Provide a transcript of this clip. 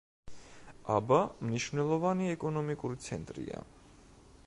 აბა მნიშვნელოვანი ეკონომიკური ცენტრია.